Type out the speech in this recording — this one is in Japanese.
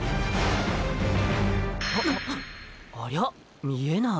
ありゃっ見えない。